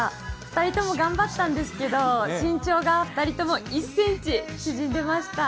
２人とも頑張ったんですけど身長が２人とも１ｃｍ縮んでました。